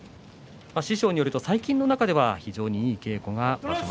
師匠によると最近の中では非常にいい稽古が場所